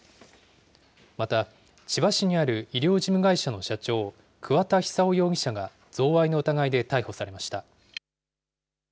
また、千葉市にある医療事務会社の社長、くわ田久雄容疑者が、贈賄の疑いで逮捕されました。